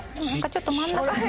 ちょっと真ん中辺。